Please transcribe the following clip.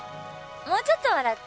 もうちょっと笑って。